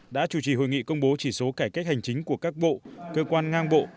đã chủ trì hội nghị công bố chỉ số cải cách hành chính của các bộ cơ quan ngang bộ